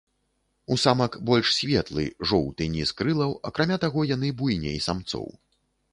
У самак больш светлы, жоўты ніз крылаў, акрамя таго, яны буйней самцоў.